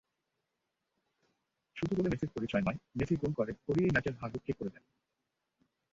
শুধু গোলে মেসির পরিচয় নয়, মেসি গোল করে-করিয়েই ম্যাচের ভাগ্য ঠিক করে দেন।